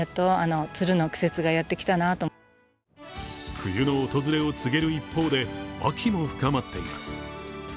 冬の訪れを告げる一方で、秋も深まっています。